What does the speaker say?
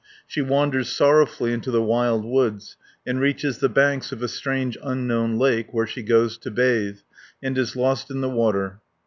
She wanders sorrowfully into the wild woods, and reaches the banks of a strange unknown lake, where she goes to bathe, and is lost in the water (255 370).